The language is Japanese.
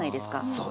そう。